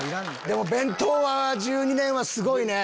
でも弁当１２年はすごいね！